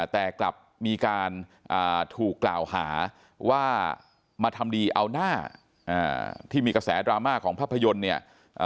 แต่กลับมีการถูกกล่าวหาว่ามาทำดีเอาหน้าที่มีกระแสดราม่าของภาพยนตร์เนี่ย